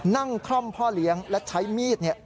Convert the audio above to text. นั่งคล่อมพ่อเลี้ยงและใช้มีดเนี่ย